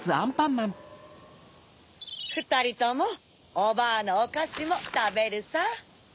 ふたりともおばあのおかしもたべるさ。